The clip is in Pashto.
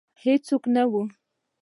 هیڅوک نه وه